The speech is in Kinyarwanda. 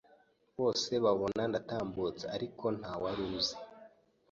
bose babona ndatambutse ariko nta waruzi